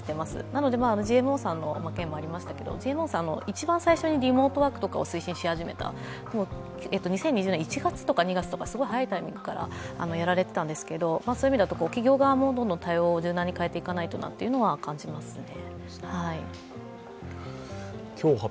なのでＧＭＯさんの件もありましたけれども、一番最初にリモートワークを推進し始めた２０２０年１月とか２月とかすごい早いタイミングでやられていたんですが、企業側も対応を柔軟に変えていかないとなというのは感じますね。